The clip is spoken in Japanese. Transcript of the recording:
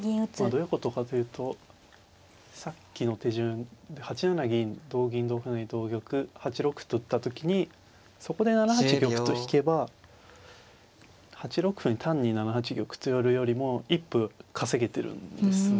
どういうことかというとさっきの手順で８七銀同銀同歩成同玉８六歩と打った時にそこで７八玉と引けば８六歩に単に７八玉と寄るよりも一歩稼げてるんですね。